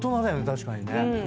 確かにね。